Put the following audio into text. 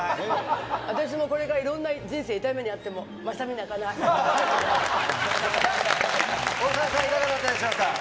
私もこれからいろんな人生痛い目に遭っても、大沢さん、いかがだったでし